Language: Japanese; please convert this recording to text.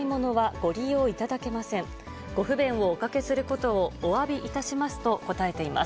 ご不便をおかけすることをおわびいたしますと答えています。